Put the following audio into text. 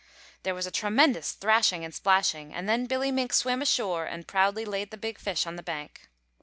There was a tremendous thrashing and splashing, and then Billy Mink swam ashore and proudly laid the big fish on the bank.